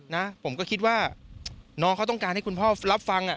นะผมก็คิดว่าน้องเขาต้องการให้คุณพ่อรับฟัง